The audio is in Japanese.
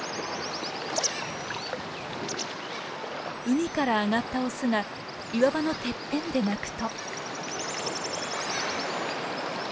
海から上がったオスが岩場のてっぺんで鳴くと。